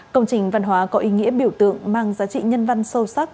công trình văn hóa có ý nghĩa biểu tượng mang giá trị nhân văn sâu sắc